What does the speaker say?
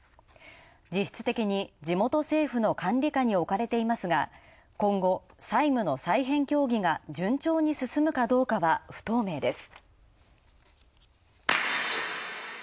実質的に地元政府の管理下におかれていますが、今後、債務の再編協議が順調に進むかどうかは不透明です。